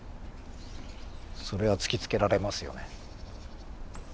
それは突きつけられますよね。